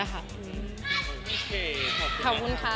ขอบคุณค่ะ